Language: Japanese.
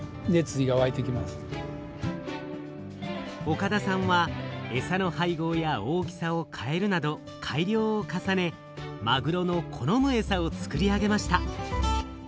岡田さんはエサの配合や大きさを変えるなど改良を重ねマグロの好むエサを作り上げました。